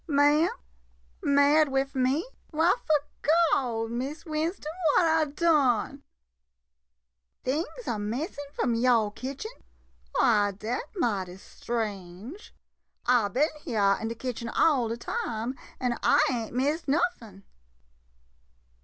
... Ma'am — mad wif me? Why, 'fo' Gawd, Miss Winston — what I done ? Things a missin' from yo' kitchen ? Why, dat mighty strange — I bin hyah in de kitchen all de time, an' I ain' missed nuffin. .